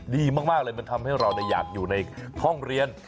ดีมากเลยมันทำให้เราอยากอยู่ในห้องเรียน